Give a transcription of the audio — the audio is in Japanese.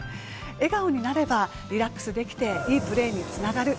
笑顔になれたらリラックスできていいプレーにつながる。